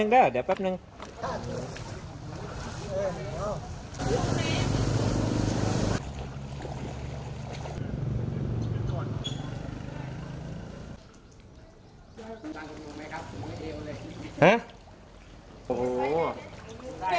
ดินอย่างแบบนี้